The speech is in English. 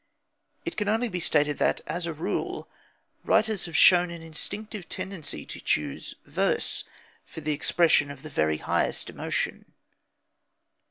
It can only be stated that, as a rule, writers have shown an instinctive tendency to choose verse for the expression of the very highest emotion.